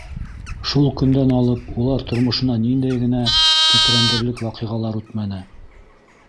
Шул көндән алып улар тормошонан ниндәй генә тетрәндерерлек ваҡиғалар үтмәне!